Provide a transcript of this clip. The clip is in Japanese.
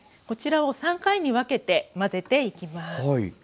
こちらを３回に分けて混ぜていきます。